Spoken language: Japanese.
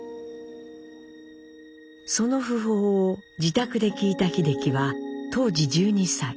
その訃報を自宅で聞いた秀樹は当時１２歳。